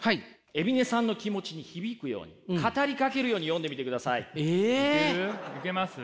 海老根さんの気持ちに響くように語りかけるように読んでみてください。え！？いける？いけます？